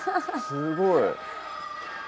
すごい！